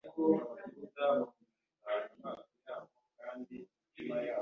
Wansezeranije ko hari icyo uzadukorera.